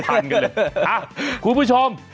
ป่ะคุณผู้ชม